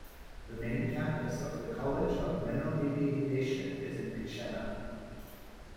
The main campus of the College of Menominee Nation is in Keshena.